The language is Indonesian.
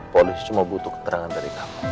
polisi cuma butuh keterangan dari kami